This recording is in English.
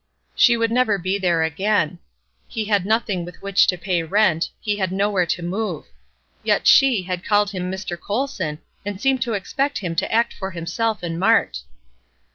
She would never be there again. He had nothing with which to pay rent; he had nowhere to move. Yet she had called him Mr. Colson, and seemed to expect him to act for himself and Mart.